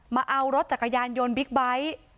มาเอารถจักรยานยนต์บิ๊กไบท์